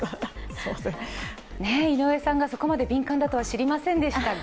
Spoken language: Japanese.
井上さんがそこまで敏感だとは知りませんでしたが。